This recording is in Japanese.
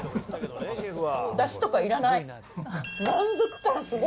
だしとかいらない。